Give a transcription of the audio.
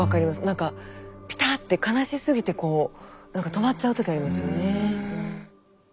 なんかピターって悲しすぎてこう止まっちゃう時ありますよね。